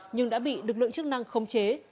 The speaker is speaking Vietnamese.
nhưng đã bị lực lượng chức năng không chế